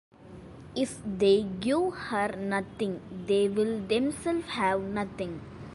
If they give her nothing they will themselves have nothing.